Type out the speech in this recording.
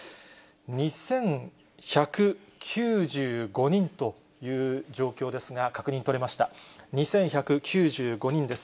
２１９５人という状況ですが、確認取れました、２１９５人です。